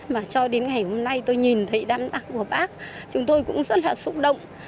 mà cho đến ngày hôm nay tôi nhìn thấy đám tặng hợp bác chúng tôi cũng rất là xúc động